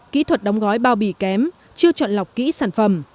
kỹ thuật đóng gói bao bì kém chưa chọn lọc kỹ sản phẩm